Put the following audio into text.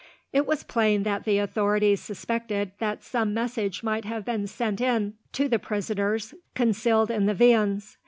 It was plain that the authorities suspected that some message might have been sent in to the prisoners, concealed in the viands.